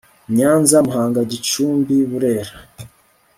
nyanza muhanga gicumbi burera